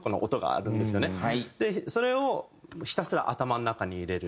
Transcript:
それをひたすら頭の中に入れる。